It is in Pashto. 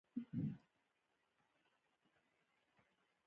د کارګر د نسبي حالت خرابوالی په دې ډول دی